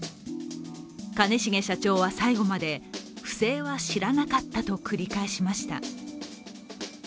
兼重社長は最後まで不正は知らなかったと繰り返しました。